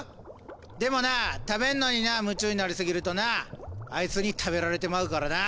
でもな食べんのにな夢中になりすぎるとなあいつに食べられてまうからな。